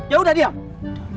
ya udah diam